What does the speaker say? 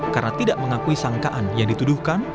karena tidak mengakui sangkaan yang dituduhkan